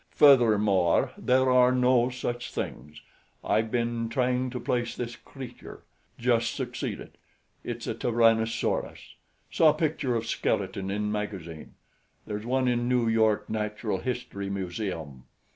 Furthermore, there are no such things. I've been trying to place this creature. Just succeeded. It's a tyrannosaurus. Saw picture of skeleton in magazine. There's one in New York Natural History Museum.